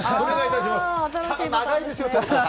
ただ長いですよ。